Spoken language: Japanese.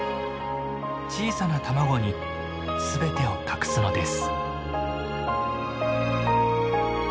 小さな卵に全てを託すのです。